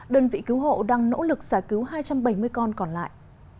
đơn vị cứu hộ đang nỗ lực giải cứu hai trăm bảy mươi con còn lại